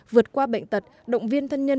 vượt qua bệnh tật động viên thân nhân